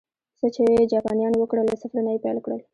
څه چې جاپانيانو وکړل، له صفر نه یې پیل کړل